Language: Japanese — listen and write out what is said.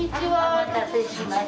お待たせしました。